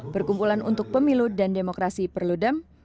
perkumpulan untuk pemilu dan demokrasi perludem